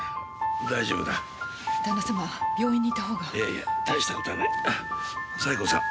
大丈夫だ旦那さま病院に行ったほうがいやいや大したことはない西郷さん